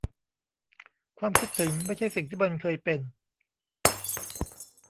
ความคิดถึงไม่ใช่สิ่งที่มันเคยเป็น